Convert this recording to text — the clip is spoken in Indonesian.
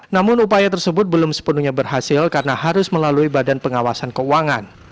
namun upaya tersebut belum sepenuhnya berhasil karena harus melalui badan pengawasan keuangan